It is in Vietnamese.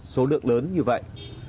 số lượng lớn như vậy